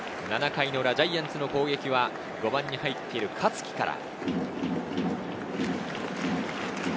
７回の裏、ジャイアンツの攻撃は５番に入っている香月から。